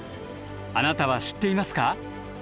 あなたは知っていますか？